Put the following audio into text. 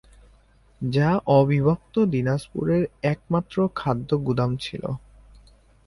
যা অবিভক্ত দিনাজপুরের একমাত্র খাদ্য গুদাম ছিল।